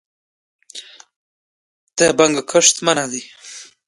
د بنګو کښت منع دی؟